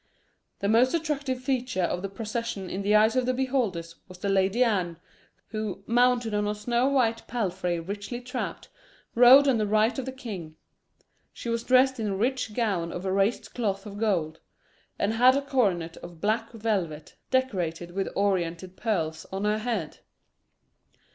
The most attractive feature of the procession in the eyes of the beholders was the Lady Anne, who, mounted on a snow white palfrey richly trapped, rode on the right of the king. She was dressed in a rich gown of raised cloth of gold; and had a coronet of black velvet, decorated with orient pearls, on her head.